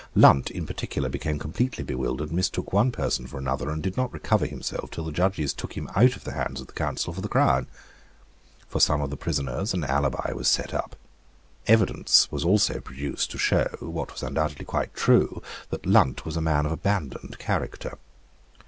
Lunt in particular became completely bewildered, mistook one person for another, and did not recover himself till the judges took him out of the hands of the counsel for the Crown. For some of the prisoners an alibi was set up. Evidence was also produced to show, what was undoubtedly quite true, that Lunt was a man of abandoned character.